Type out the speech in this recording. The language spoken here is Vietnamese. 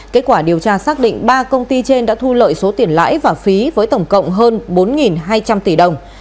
kết quả điều tra xác định ba công ty trên đã thu lợi số tiền lãi và phí với tổng cộng hơn bốn hai trăm linh tỷ đồng